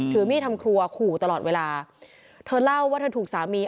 ถือมีดทำครัวขู่ตลอดเวลาเธอเล่าว่าเธอถูกสามี